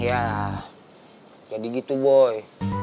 ya jadi gitu boy